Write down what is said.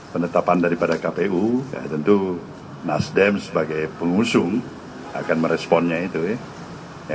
penetapan daripada kpu tentu nasdem sebagai pengusung akan meresponnya itu ya